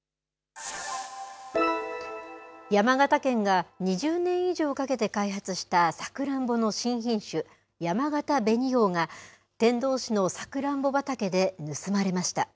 山形県が２０年以上かけて開発したさくらんぼの新品種、やまがた紅王が、天童市のさくらんぼ畑で盗まれました。